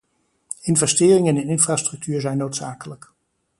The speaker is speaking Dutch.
Investeringen in infrastructuur zijn noodzakelijk.